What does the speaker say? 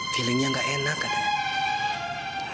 feelingnya gak enak katanya